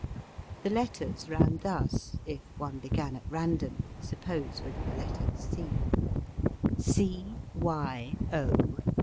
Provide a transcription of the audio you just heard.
The letters ran thus, if one began at random — suppose with the letter C : C.